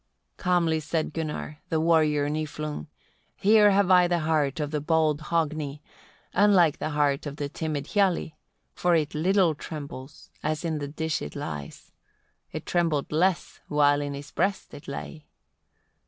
25. Calmly said Gunnar, the warrior Niflung: "Here have I the heart of the bold Hogni, unlike the heart of the timid Hialli; for it little trembles, as in the dish it lies: it trembled less, while in his breast it lay.